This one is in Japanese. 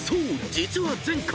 実は前回］